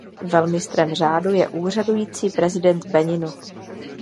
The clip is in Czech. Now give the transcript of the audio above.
Velmistrem řádu je úřadující prezident Beninu.